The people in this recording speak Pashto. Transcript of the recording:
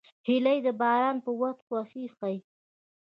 هیلۍ د باران په وخت خوښي ښيي